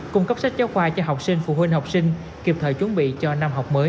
cung cấp sách giáo khoa cho học sinh phụ huynh học sinh kịp thời chuẩn bị cho năm học mới